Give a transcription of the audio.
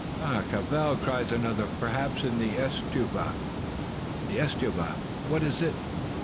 "Caval!" cries another, "perhaps in the estufa!" "The estufa! what is it?"